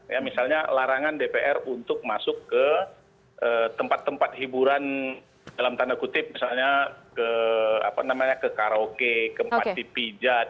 ya misalnya larangan dpr untuk masuk ke tempat tempat hiburan dalam tanda kutip misalnya ke karaoke ke pati pijat